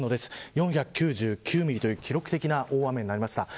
４９９ミリと記録的な大雨になりました。